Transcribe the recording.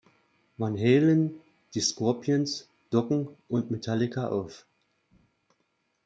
Van Halen, die Scorpions, Dokken und Metallica auf.